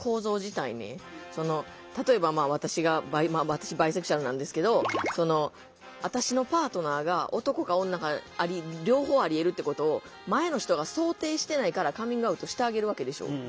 例えば私が私バイセクシュアルなんですけど私のパートナーが男か女か両方ありえるってことを前の人が想定してないからカミングアウトしてあげるわけでしょ。